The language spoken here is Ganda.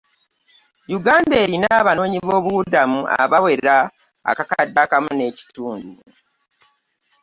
Uganda, erina abanoonyi b'obubudamu abawera akakadde kamu n'ekitundu